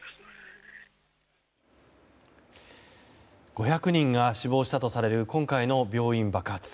５００人が死亡したとされる今回の病院爆発。